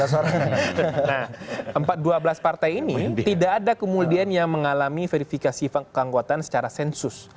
nah dua belas partai ini tidak ada kemudian yang mengalami verifikasi keanggotaan secara sensus